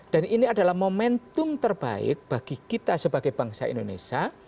dan ini adalah momentum terbaik bagi kita sebagai bangsa indonesia